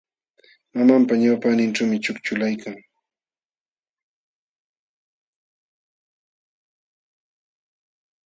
Mamanpa ñawpaqninćhuumi ćhukćhulaykan.